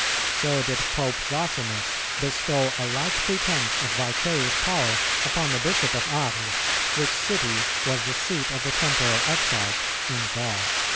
So did Pope Zosimus bestow a like pretence of vicarious power upon the Bishop of Arles, which city was the seat of the temporal exarch in Gaul."